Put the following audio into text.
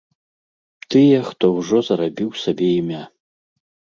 Тыя, хто ўжо зарабіў сабе імя.